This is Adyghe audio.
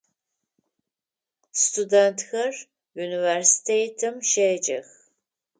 Студентхэр университетым щеджэх.